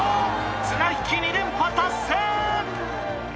綱引き２連覇達成！